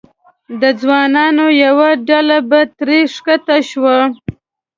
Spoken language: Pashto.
د ځوانانو یوه ډله به ترې ښکته شوه.